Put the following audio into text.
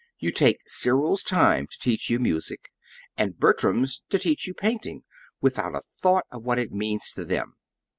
You take Cyril's time to teach you music, and Bertram's to teach you painting, without a thought of what it means to them.